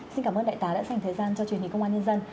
xin cảm ơn đại tá đã dành thời gian cho truyền hình công an nhân dân